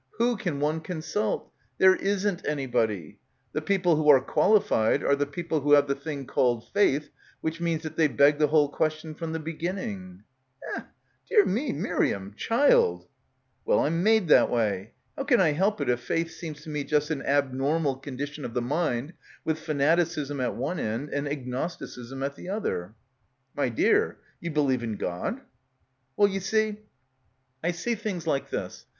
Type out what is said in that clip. Who can one consult? There isn't any body. The people who are qualified are the peo ple who have the thing called faith, which means that they beg the whole question from the begin ning." f Eh — dear — me — Miriam — child !" Well, I'm made that way. How can I help it if faith seems to me just an abnormal condition of the mind with fanaticism at one end and agnosti cism at the other?" "My dear, ye believe in God?" 'Well, you see, I see things like this.